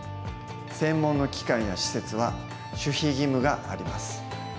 専門の機関や施設は守秘義務があります。